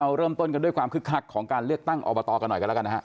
เริ่มต้นกันด้วยความคึกคักของการเลือกตั้งอบตกันหน่อยกันแล้วกันนะฮะ